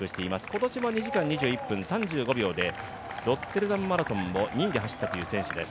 今年も２時間２１分３５秒でロッテリアマラソンを２位で走ったという選手です。